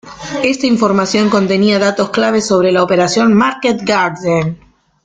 Esta información contenía datos claves sobre la Operación Market Garden.